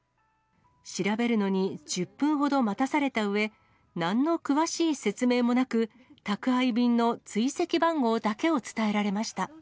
調べるのに１０分ほど待たされたうえ、なんの詳しい説明もなく、宅配便の追跡番号だけを伝えられました。